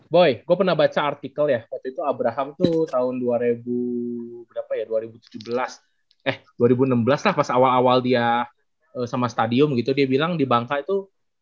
boy gue pernah baca artikel ya waktu itu abraham tuh tahun dua ribu berapa ya dua ribu tujuh belas eh dua ribu enam belas lah pas awal awal dia sama stadium gitu dia bilang di bangka itu